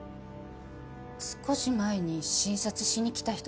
少し前に診察しに来た人ですか？